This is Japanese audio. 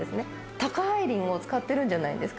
高いリンゴを使っているんじゃないですか？